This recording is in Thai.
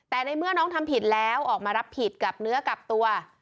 แต่ในเมื่อน้องทำผิดแล้วออกมารับผิดกับเนื้อกับตัว